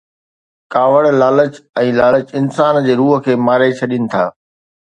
ڪاوڙ، لالچ ۽ لالچ انسان جي روح کي ماري ڇڏين ٿا.